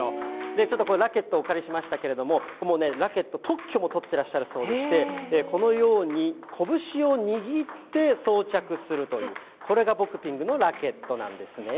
ちょっとラケットをお借りしましたけれども、もうね、ラケット、特許も取ってるそうでして、このように拳を握って装着するという、これがボクピングのラケットなんですね。